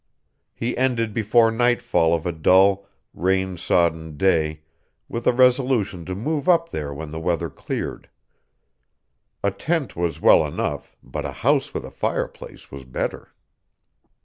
He ended before nightfall of a dull, rain sodden day with a resolution to move up there when the weather cleared. A tent was well enough, but a house with a fireplace was better.